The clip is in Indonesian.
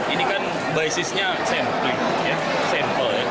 ini kan basisnya sample